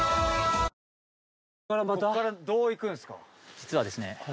実はですね